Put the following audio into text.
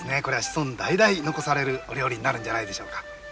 これは子孫代々残されるお料理になるんじゃないでしょうか。